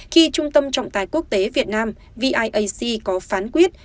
khi trung tâm trọng tài quốc tế việt nam viac có phán quyết